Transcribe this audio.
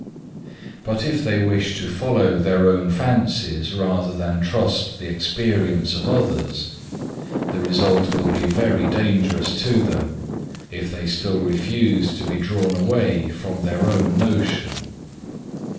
3. "But if they wish to follow their own fancies rather than trust the experience of others, the result will be very dangerous to them if they still refuse to be drawn away from their own notion.